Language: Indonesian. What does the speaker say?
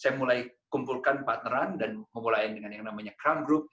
saya mulai kumpulkan partneran dan memulai dengan yang namanya crown group